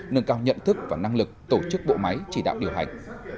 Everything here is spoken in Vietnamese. nâng cao nhận thức và năng lực tổ chức bộ máy chỉ đạo điều hành